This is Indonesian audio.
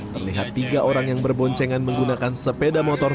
terlihat tiga orang yang berboncengan menggunakan sepeda motor